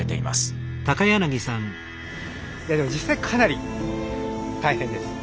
いやでも実際かなり大変です。